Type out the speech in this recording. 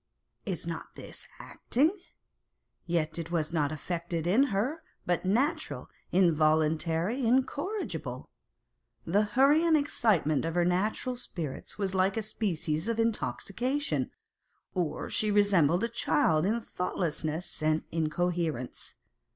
Is not this like acting? Yet it was not affected in her, but natural, involuntary, in corrigible. The hurry and excitement of her natural spirits was like a species of intoxication, or she resembled a child in thoughtlessness and incoherence.